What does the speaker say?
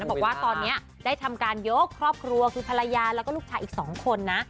บอกว่าตอนนี้ได้ทำการยกครอบครัวคือภรรยาแล้วก็ลูกชายอีก๒คนนะ